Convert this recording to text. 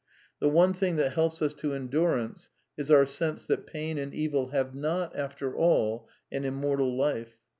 The one thing that helps us to endur ance is our sense that pain and evil have not, after all, an immortal life.